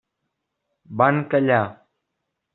Van callar.